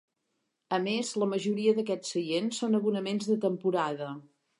A més, la majoria d'aquests seients són abonaments de temporada.